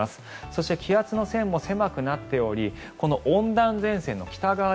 そして気圧の線も狭くなっておりこの温暖前線の北側